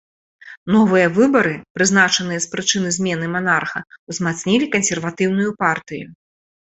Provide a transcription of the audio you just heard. Новыя выбары, прызначаныя з прычыны змены манарха, узмацнілі кансерватыўную партыю.